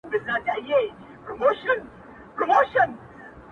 زما به په تا تل لانديښنه وه ښه دى تېره سوله ,